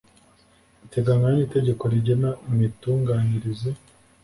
biteganywa n itegeko rigena imitunganyirize